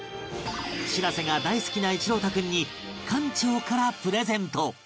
「しらせ」が大好きな一朗太君に艦長からプレゼント